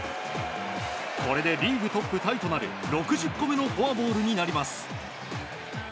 これでリーグトップタイとなる６０個目のフォアボールとなります。